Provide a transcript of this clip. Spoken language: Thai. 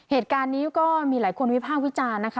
เหตุการณ์นี้ก็มีหลายคนวิพากษ์วิจารณ์นะคะ